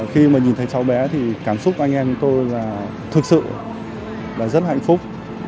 khi mà nhìn thấy cháu bé thì cảm xúc anh em tôi là thực sự là rất hạnh phúc